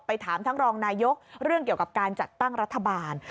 ถามทั้งรองนายกเรื่องเกี่ยวกับการจัดตั้งรัฐบาล